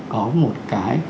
có một cái